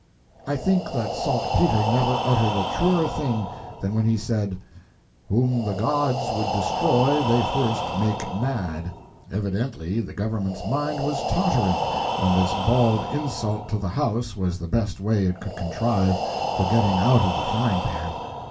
I think that Saltpeter never uttered a truer thing than when he said, 'Whom the gods would destroy they first make mad.' Evidently the government's mind was tottering when this bald insult to the House was the best way it could contrive for getting out of the frying pan.